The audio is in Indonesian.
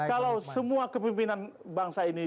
kalau semua kepimpinan bangsa ini